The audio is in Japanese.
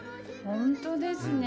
本当ですね。